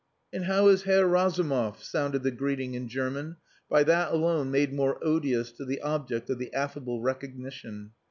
"And how is Herr Razumov?" sounded the greeting in German, by that alone made more odious to the object of the affable recognition.